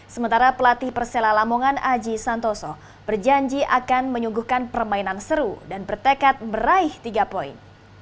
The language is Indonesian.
sementara pelatih persela lamongan aji santoso berjanji akan menyuguhkan permainan seru dan bertekad meraih tiga poin